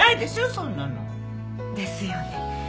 そんなの。ですよね。